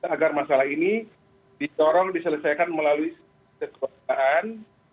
agar masalah ini disorong diselesaikan melalui kesempatan